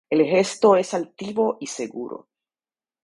El gesto es altivo y seguro.